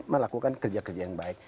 dia melakukan kerja yang baik